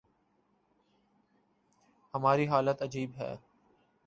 ہماری حالت عجیب ہے۔